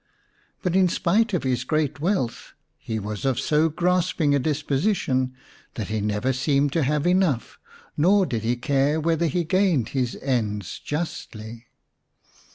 But in spite of his great wealth he was of so grasping a disposition that he never seemed to have enough, nor did he care whether he gained his ends justly.